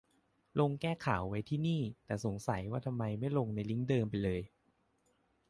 ลงแก้ข่าวไว้ที่นี่ แต่สงสัยว่าทำไมไม่ลงในลิงก์เดิมไปเลย